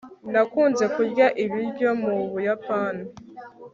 nakunze kurya ibiryo mu buyapani